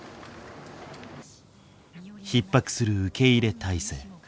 ひっ迫する受け入れ態勢。